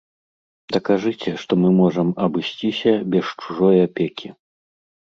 Дакажыце, што мы можам абысціся без чужой апекі.